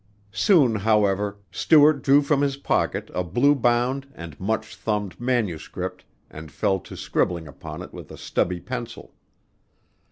Soon, however, Stuart drew from his pocket a blue bound and much thumbed manuscript and fell to scribbling upon it with a stubby pencil.